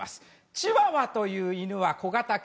チワワという犬は小型犬。